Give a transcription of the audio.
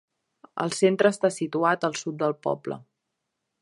El centre està situat al sud del poble.